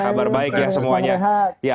kabar baik ya semuanya